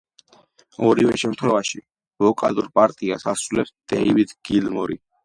ორივე შემთხვევაში, ვოკალურ პარტიას ასრულებს დეივიდ გილმორი.